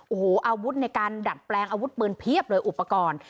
โอ้โหอาวุธในการดัดแปลงอาวุธปืนเพียบเลยอุปกรณ์